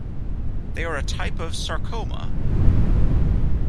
They are a type of sarcoma.